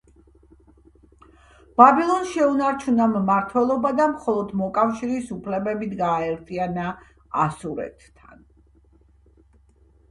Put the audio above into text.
ბაბილონს შეუნარჩუნა მმართველობა და მხოლოდ მოკავშირის უფლებებით გააერთიანა ასურეთთან.